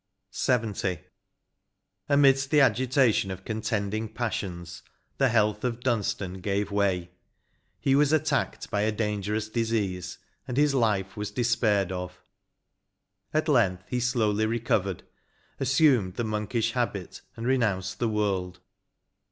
140 LXX. Amidst the agitation of contending passions, the health of Dunstan gave way ; he was attacked by a dangerous disease, and his life was despaired of; at length he slowly recovered, assumed the monkish habit, and renounced the world.